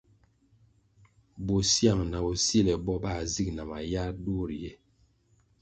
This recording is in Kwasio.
Bosyang na bosile bo bā zig na mayar duo riye.